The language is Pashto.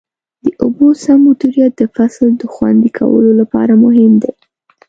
د اوبو سم مدیریت د فصل د خوندي کولو لپاره مهم دی.